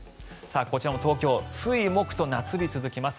こちらも東京水木と夏日続きます。